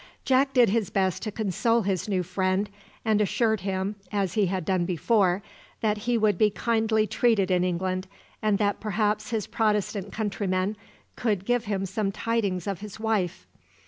Jack did his best to console his new friend, and assured him, as he had done before, that he would be kindly treated in England, and that perhaps his Protestant countrymen could give him some tidings of his wife.